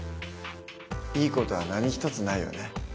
いい事は何一つないよね。